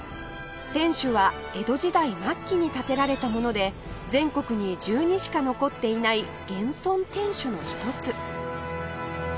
天守は江戸時代末期に建てられたもので全国に１２しか残っていない現存天守の一つ